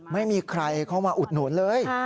ไม่มีใครเข้ามาอุดหนุนเลย